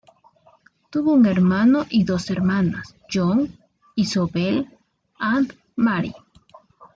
Tuvo un hermano y dos hermanas: John, Isobel and Mary.